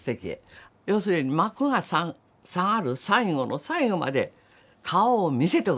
要するに「幕が下がる最後の最後まで顔を見せておけ！」